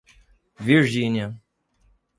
Virgínia